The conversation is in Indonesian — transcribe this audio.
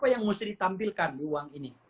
apa yang mesti ditampilkan di uang ini